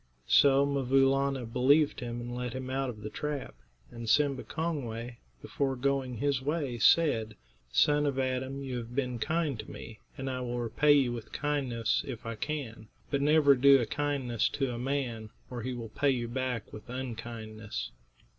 So 'Mvoo Laana believed him and let him out of the trap, and Simba Kongway, before going his way, said: "Son of Adam, you have been kind to me, and I will repay you with kindness if I can; but never do a kindness to a man, or he will pay you back with unkindness."